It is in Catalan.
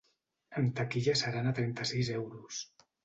En taquilla seran a trenta-sis euros.